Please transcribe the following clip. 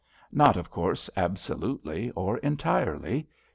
Not, of course, absolutely or entirely.